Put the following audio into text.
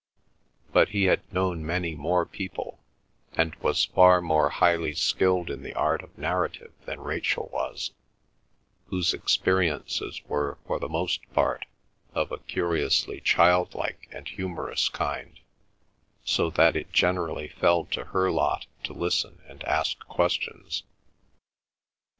But he had known many more people, and was far more highly skilled in the art of narrative than Rachel was, whose experiences were, for the most part, of a curiously childlike and humorous kind, so that it generally fell to her lot to listen and ask questions.